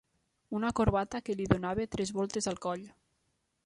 Una corbata que li donava tres voltes al coll